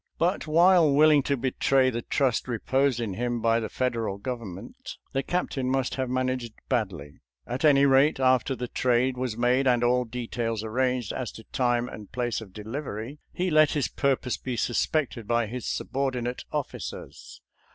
But while willing to betray the trust reposed in him by the 288 SOLDIER'S LETTERS TO CHARMING NELLIE Federal Government, the Captain must liave managed badly. At any rate, after the trade was made and all details arranged as to time and place of delivery, he let his purpose be sus pected by his subordinate oflSlcers.